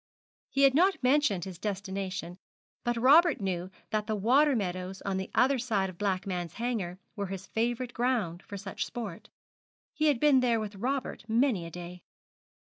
He had not mentioned his destination, but Robert knew that the water meadows on the other side of Blackman's Hanger were his favourite ground for such sport. He had been there with Robert many a day.